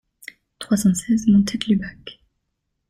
trois cent seize montée de l'Ubac